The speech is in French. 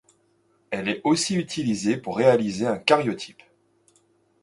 Elle est aussi utilisée pour réaliser un caryotype.